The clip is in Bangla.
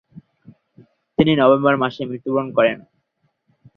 তিনি নভেম্বর মাসে মৃত্যুবরণ করেন।